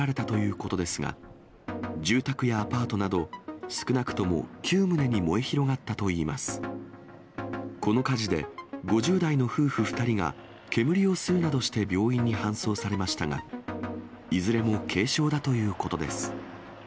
この火事で５０代の夫婦２人が、煙を吸うなどして病院に搬送されましたが、いずれも軽症だということです。